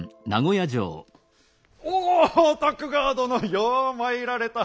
おお徳川殿ようまいられた。